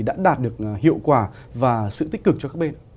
đã đạt được hiệu quả và sự tích cực cho các bên